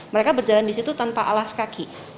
mereka berjalan di situ tanpa alas kaki